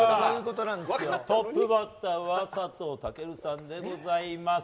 トップバッターは佐藤健さんでございます。